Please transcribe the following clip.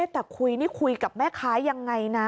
แต่คุยนี่คุยกับแม่ค้ายังไงนะ